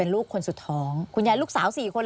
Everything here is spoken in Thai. อันดับ๖๓๕จัดใช้วิจิตร